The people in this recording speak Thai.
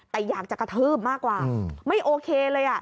แต่อยากจะกระทืบมากกว่าไม่โอเคเลย